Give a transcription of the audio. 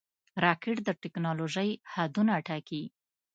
راکټ د ټېکنالوژۍ حدونه ټاکي